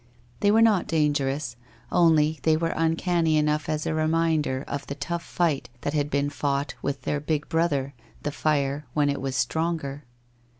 They were not dangerous, only they were uncanny enough as a reminder of the tough fight that had been fought with their big brother, the fire, when it was stronger.